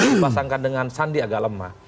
dipasangkan dengan sandi agak lemah